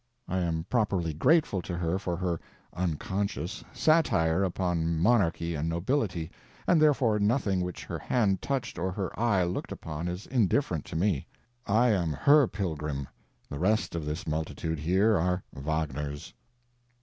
I am properly grateful to her for her (unconscious) satire upon monarchy and nobility, and therefore nothing which her hand touched or her eye looked upon is indifferent to me. I am her pilgrim; the rest of this multitude here are Wagner's.